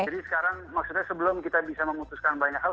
jadi sekarang maksudnya sebelum kita bisa memutuskan banyak hal